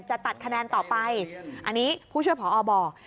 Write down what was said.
จะตัดคะแนนต่อไปอันนี้ผู้ช่วยพอบอก